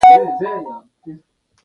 د تاک لپو کښې دعاوې،